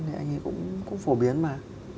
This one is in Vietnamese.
thì anh ấy cũng phổ biến mà